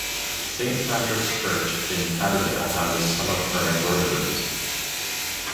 Saint Patrick's Church in Patterdale houses some of her embroideries.